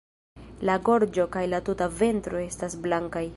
La gorĝo kaj la tuta ventro estas blankaj.